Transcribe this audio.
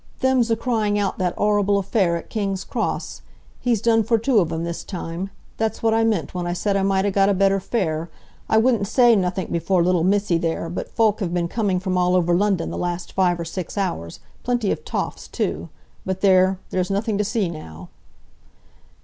"Them's 'a crying out that 'orrible affair at King's Cross. He's done for two of 'em this time! That's what I meant when I said I might 'a got a better fare. I wouldn't say nothink before little missy there, but folk 'ave been coming from all over London the last five or six hours; plenty of toffs, too—but there, there's nothing to see now!"